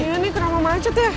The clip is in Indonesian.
iya nih kenapa macet ya